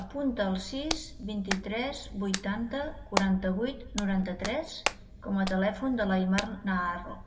Apunta el sis, vint-i-tres, vuitanta, quaranta-vuit, noranta-tres com a telèfon de l'Aimar Naharro.